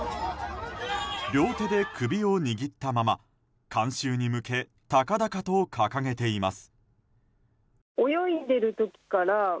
両手で首を握ったまま観衆に向け高々と掲げています。